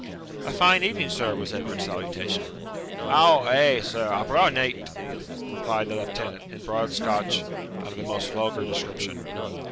'A fine evening, sir,' was Edward's salutation. 'Ow, ay, sir! a bra' night,' replied the lieutenant, in broad Scotch of the most vulgar description.